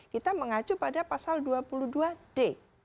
kita mengacu pada pasal dua puluh dua d